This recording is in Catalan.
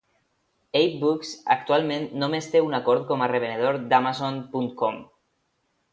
AbeBooks actualment només té un acord com a revenedor d'Amazon.com.